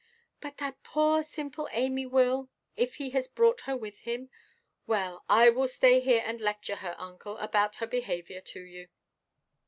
"But that poor simple Amy will, if he has brought her with him. Well, I will stay here and lecture her, uncle, about her behaviour to you."